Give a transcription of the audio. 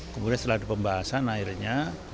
kemudian setelah dipembahasan akhirnya